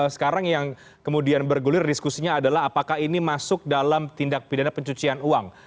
sekarang yang kemudian bergulir diskusinya adalah apakah ini masuk dalam tindak pidana pencucian uang